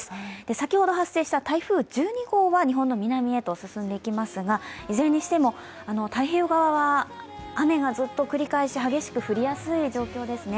先ほど発生した台風１２号は日本の南へと進んでいきますがいずれにしても太平洋側は雨がずっと繰り返し、激しく降りやすい状況ですね。